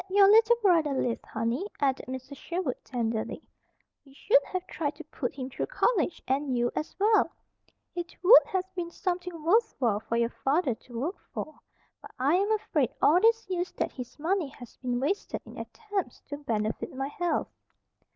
"Had your little brother lived, honey," added Mrs. Sherwood tenderly, "we should have tried to put him through college, and you, as well. It would have been something worthwhile for your father to work for. But I am afraid all these years that his money has been wasted in attempts to benefit my health."